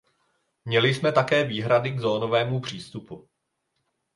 Měli jsme také výhrady k zónovému přístupu.